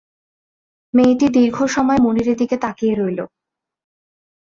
মেয়েটি দীর্ঘ সময় মুনিরের দিকে তাকিয়ে রইল।